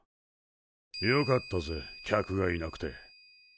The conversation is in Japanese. よかったぜ客がいなくて。